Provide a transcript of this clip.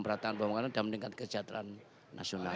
meningkatkan pemerataan pembangunan dan meningkatkan kesejahteraan nasional